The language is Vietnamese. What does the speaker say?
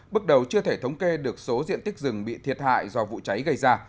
bước đầu chưa thể thống kê được số diện tích rừng bị thiệt hại do vụ cháy gây ra